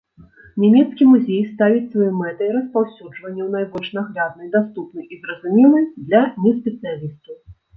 Нямецкі музей ставіць сваёй мэтай распаўсюджванне ў найбольш нагляднай, даступнай і зразумелай для неспецыялістаў.